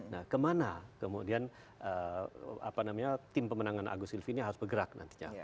nah kemana kemudian tim pemenangan agus silvi ini harus bergerak nantinya